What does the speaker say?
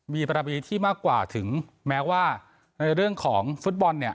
มีประโยที่มากกว่าถึงแม้ว่าในเรื่องของฟุตบอลเนี่ย